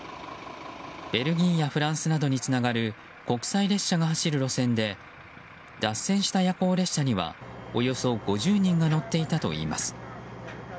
ベルギーやフランスなどにつながる、国際列車が走る路線で脱線した夜行列車にはおよそ５０人が乗っていたといいます。